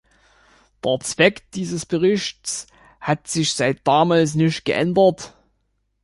Der Zweck dieses Berichts hat sich seit damals nicht geändert.